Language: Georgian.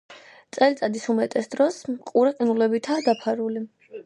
წელიწადის უმეტეს დროს, ყურე ყინულებითაა დაფარული.